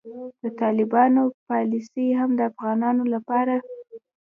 د طالبانو پالیسي هم د افغانانو لپاره